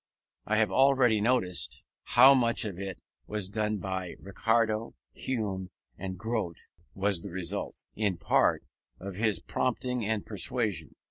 I have already noticed how much of what was done by Ricardo, Hume, and Grote was the result, in part, of his prompting and persuasion.